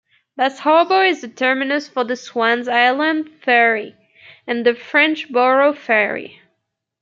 Bass Harbor is the terminus for the Swan's Island ferry and the Frenchboro ferry.